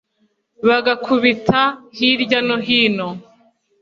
bagakubita hirya no hino